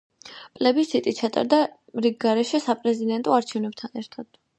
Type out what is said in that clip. პლებისციტი ჩატარდა რიგგარეშე საპრეზიდენტო არჩევნებთან ერთად.